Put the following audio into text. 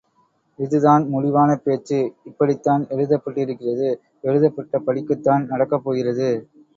இது தான் முடிவானபேச்சு, இப்படித்தான் எழுதப்பட்டிருக்கிறது, எழுதப்பட்ட படிக்குத்தான் நடக்கப் போகிறது.